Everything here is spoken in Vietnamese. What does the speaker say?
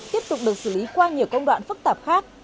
tiếp tục được xử lý qua nhiều công đoạn phức tạp khác